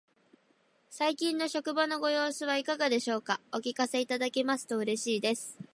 最近の職場のご様子はいかがでしょうか。お聞かせいただけますと嬉しいです。